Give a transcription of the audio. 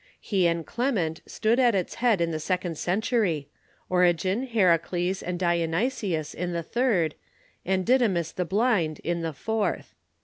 He and Clement stood at its head in the second century; Origen, Heracles, and Dionysius, in the third ; and Didymus the Blind, in the fourth.